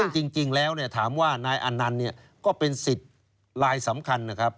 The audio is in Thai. จริงแล้วถามว่านายอนันต์ก็เป็นสิทธิ์ลายสำคัญนะครับ